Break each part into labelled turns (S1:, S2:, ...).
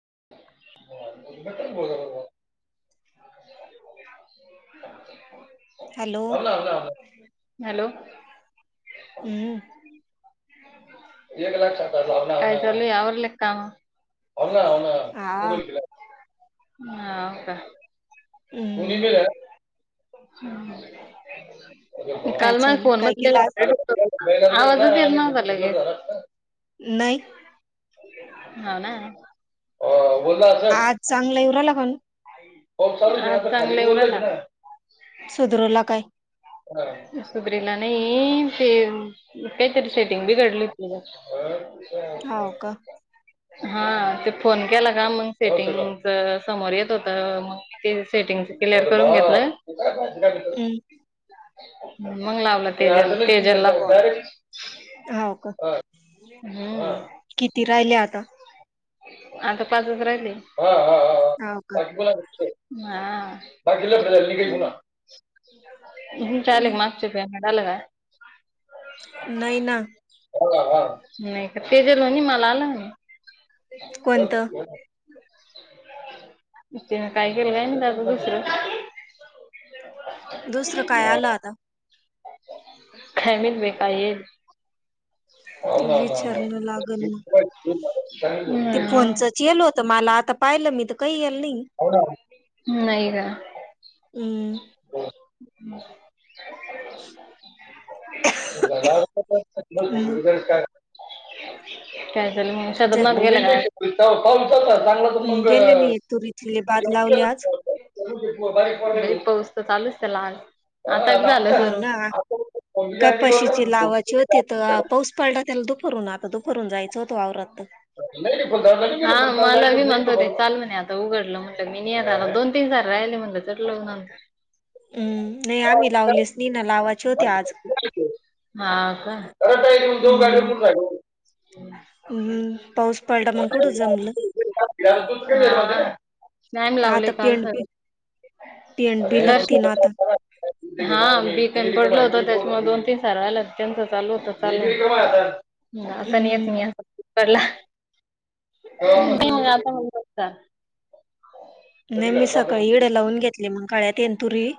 S1: [unintelligible]
S2: [unintelligible] Hello
S1: hello.
S2: हम्म.
S1: काय चाललय आवरले का कामं. होना होना
S2: हा
S1: सूडल केला. हाव का.
S2: हम्म काय
S1: काल मला
S2: चालू
S1: फोन
S2: काय केलं आज
S1: मधनं आवाजच येत नव्हता लगेच.
S2: नाही.
S1: हो ना बोलला असल.
S2: आज चांगला येऊ राहिला पण
S1: [unintelligible]
S2: सुधरवला काय
S1: सुब्रे ला नाही ते काहीतरी सेटिंग बिघडली होती.
S2: हाव का
S1: हा ते फोन केला का मग सेटिंगच समोर येत होत मग ते सेटिंगच क्लिअर करून घेतलं.
S2: हम्म.
S1: मग लावलं तेल तेजल ला फोन.
S2: हाव का
S1: अ हम्म.
S2: किती राहिले आता
S1: आता पाचच राहिली.
S2: हाव का
S1: बाकी कोण आलं होतं का [unintelligible] बाकी ल काहीला. हम्म चालेल मागचे पेमेंट आलं का?
S2: नाही ना
S1: नाही का ते जे लोणी मला आलं ना.
S2: कोणतं
S1: तिनं काय केलंय दादा दुसरं
S2: दुसरं काय आलं आता
S1: हो. [unintelligible]
S2: ते विचारलं लागल ना ते फोनचच येल होतं माल आता पाहिलं मी त काही नाही
S1: नाही ना.
S2: हम्म
S1: [unintelligible] दबाव, होता
S2: हम्म
S1: काय? काय झालं मग?
S2: जा
S1: शरदना [inaudible] पाचता चांगलं तर मग-
S2: तले, बाद
S1: जेवण
S2: लावले आज?
S1: केलं पाऊस तर चालूच आहे. ते लाल, आता झालं
S2: हाव
S1: सुरू.
S2: ना
S1: हा
S2: कपाशीची लावाची होती तर पाऊस पडला त्याला दुपरून. आता दुपरून जायचं होतं वावरात.
S1: हा मला बी म्हनत होते चाल म्हणे आता उघडला म्हणे - मी नाही येणार दोन तीन जण राहिले म्हणलं चट लगन-
S2: हम्म. नाही आमी लावलिच नी ना लावायची होती आज.
S1: हा का?
S2: हम्म
S1: [unintelligible]
S2: हम्म. पाऊस पडला मग कुठं जमलं
S1: [unintelligible] मॅम लावले
S2: आता
S1: कॉल
S2: पेंड
S1: सगळे.
S2: बी पेंड बी लागती ना आता
S1: हा बी का पडल होत. त्याच्यामुळे दोन तीन सार राहिला त्यांच चालू होत चालू- आता नाही येत
S2: हम्म
S1: मी आता
S2: हम्म, बरं
S1: [unintelligible] का.
S2: नाही
S1: कधी
S2: मी
S1: काढता आपलं
S2: सकाळी इडे लावून घेतली मग खळ्यात येन तुरी?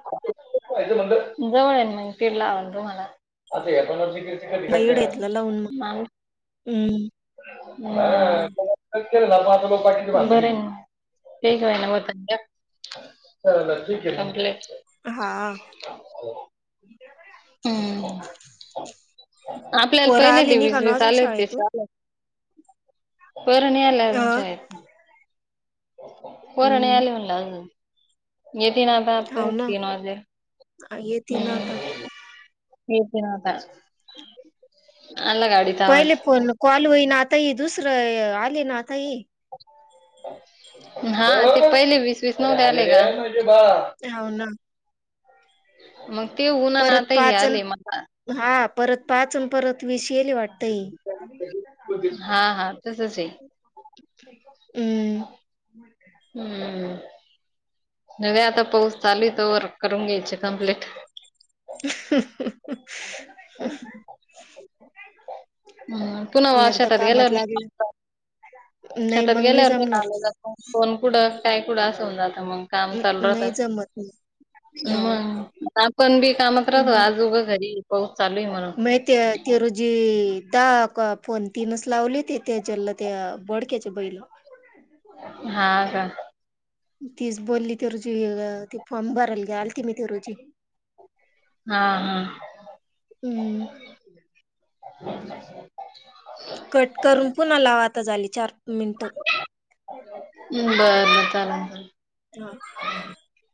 S1: जवळ आहे म. फिड ला तुमाला.
S2: इडं घेतलं लावून मग हम्म
S1: [unintelligible] बरंय
S2: हम्म.
S1: म. ठीक आहे ना [unintelligible]
S2: हा.
S1: हम्म आपल्याला
S2: पोरं
S1: पहिले
S2: आली
S1: ते
S2: नाही का
S1: वीस
S2: ना
S1: वीस
S2: अजून
S1: आले होते
S2: शाळेतून
S1: त्याचा वाले. पोर नाही आले अजून
S2: अं,
S1: शाळेत - पोरं नाही
S2: हम्म
S1: आले म्हणल अजून. येतीन आता. आता तीन वाजले.
S2: येतील आता.
S1: येतीन आता. आला गाडीचा
S2: पहिले
S1: आवाज
S2: फोन कॉल होई ना. आता- आता ही दुसरं आले ना आता हे.
S1: हा. ते पहिले वीस वीस नवते आले का?
S2: हो ना.
S1: मग ते ऊन आणि
S2: परत
S1: आता हे
S2: पाच अन
S1: आले मला
S2: हा. परत पाच अन परत विस-
S1: हा हा तसच आहे.
S2: क आहे [unintelligible]
S1: हम्म. न आता पाऊस चालूए तवर करून घ्यायचे कंप्लीट.
S2: [unintelligible]
S1: हम्
S2: का
S1: हम् पुन्हा वार शेतात गेल्यावर- [unintelligible]
S2: नाही
S1: शेतात
S2: मग नाही
S1: गेल्यावर
S2: जमणार
S1: म जात. कोन कुढं? काय कुठं? अस होवून जात. मग काम चालू
S2: अं
S1: राहत.
S2: नाही जमत नाही हो.
S1: मंग आपण बी कामात राहतो आज उगं घरी- पाऊस चालू आहे म्हणून.
S2: म ते ते रोजी- दहा कॉ फोन तीनच लावले ते त्याच्याला त्या बोडक्याच्या बहि -
S1: हा का?
S2: तीच बोलली त्या रोजी. ती फॉर्म भरायला आलती मी त्या रोजी.
S1: हा हा.
S2: हम्म. कट करून पुन्हा लावा. आता झाली चार- मिनिटं.
S1: ह्. बरं.
S2: हं.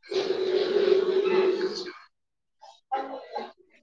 S1: [inaudible]
S2: ह